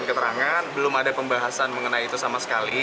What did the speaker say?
keterangan belum ada pembahasan mengenai itu sama sekali